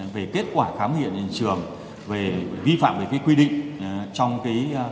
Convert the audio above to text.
về kết quả khám hiện trường về vi phạm về cái quy định